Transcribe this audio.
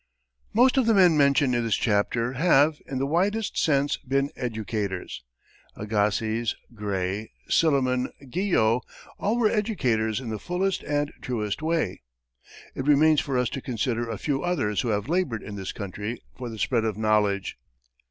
Most of the men mentioned in this chapter have, in the widest sense been educators. Agassiz, Gray, Silliman, Guyot all were educators in the fullest and truest way. It remains for us to consider a few others who have labored in this country for the spread of knowledge.